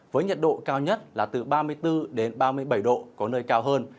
với nhật độ cao nhất là từ ba mươi bốn đến ba mươi bảy độ có nơi cao hơn